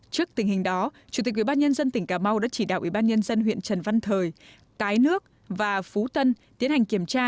trước tình hình đó chủ tịch ubnd tỉnh cà mau đã chỉ đạo ubnd huyện trần văn thời cái nước và phú tân tiến hành kiểm tra